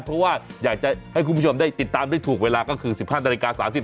เพราะว่าอยากจะให้คุณผู้ชมได้ติดตามได้ถูกเวลาก็คือ๑๕นาฬิกา๓๐